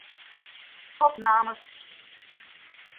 Opnames.